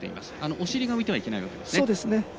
お尻が浮いてはいけないわけですね。